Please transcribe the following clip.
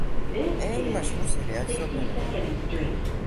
eng mashhur serial hisoblanadi.